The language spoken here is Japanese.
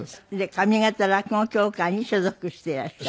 上方落語協会に所属していらっしゃる。